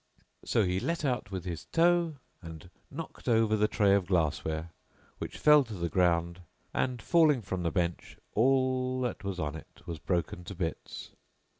So he let out with his toe and knocked over the tray of glass ware which fell to the ground and, falling from the bench, all that was on it was broken to bits.